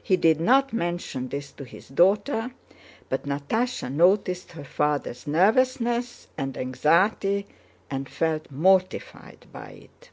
He did not mention this to his daughter, but Natásha noticed her father's nervousness and anxiety and felt mortified by it.